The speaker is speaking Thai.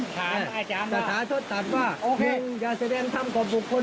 ถามว่ามักบิโมแปด